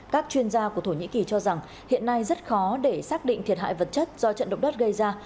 các chuyên gia của thổ nhĩ kỳ cho rằng hiện nay rất khó để xác định thiệt hại vật chất do trận động đất gây ra